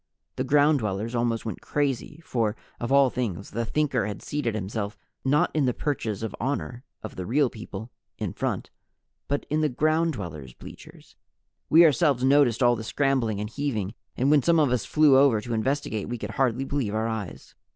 The Ground Dwellers almost went crazy for, of all things, the Thinker had seated himself not in the perches of honor of the Real People, in front, but in the Ground Dwellers' bleachers. We ourselves noticed all the scrambling and heaving, and when some of us flew over to investigate we could hardly believe our eyes.